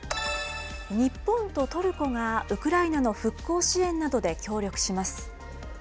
日本とトルコがウクライナの復興支援などで協力します。